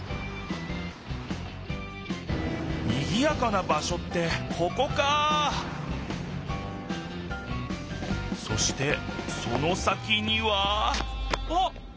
にぎやかな場しょってここかそしてその先にはあっ！